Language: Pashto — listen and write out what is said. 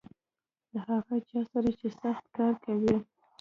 له هغه چا سره چې سخت کار کوي .